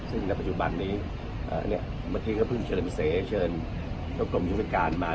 ซึ่งในปัจจุบันนี้เมื่อกี้ก็เพิ่งเชิญเสเชิญเจ้ากรมยุทธการมา